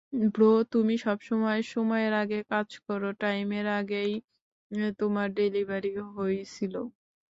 Bro তুমি সবসময় সময়ের আগে কাজ করো, টাইমের আগেই তোমার ডেলিভারী হইছিলো?